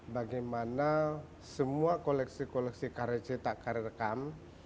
bagaimana semua koleksi koleksi karya cetak karya rekam